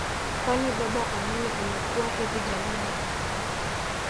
Kwani baba kwanini umekuwa hivi jamani